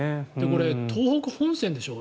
これ、東北本線でしょ？